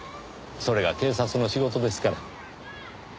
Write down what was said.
それが警察の仕事ですから。